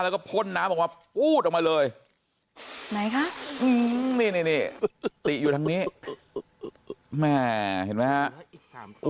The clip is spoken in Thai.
แล้วก็พ่นน้ำออกมาปู๊ดออกมาเลยไหนคะนี่นี่ติอยู่ทางนี้แม่เห็นไหมฮะ